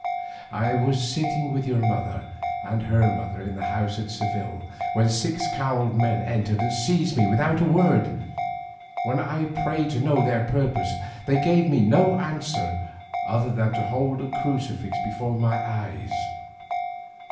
I was sitting with your mother and her mother in their house at Seville, when six cowled men entered and seized me without a word. When I prayed to know their purpose they gave no other answer than to hold a crucifix before my eyes.